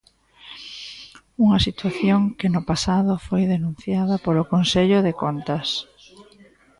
Unha situación que no pasado foi denunciada polo Consello de Contas.